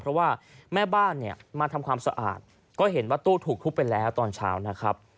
เพราะว่าแม่บ้านเนี่ยมาทำความสะอาดก็เห็นว่าตู้ถูกทุบไปแล้วตอนเช้านะครับ